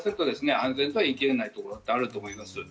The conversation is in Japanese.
安全と言い切れないところはあると思います。